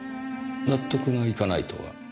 納得がいかないとは？